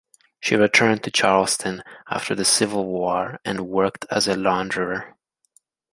She returned to Charleston after the Civil War and worked as a launderer.